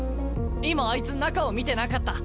「今あいつ中を見てなかった。